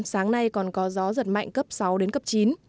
sáng nay còn có gió giật mạnh cấp sáu đến cấp chín